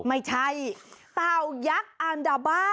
ไม่ใช่เต่ายักษ์อัลดาบ้า